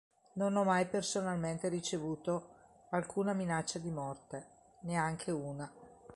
Non ho mai personalmente ricevuto alcuna minaccia di morte, neanche una.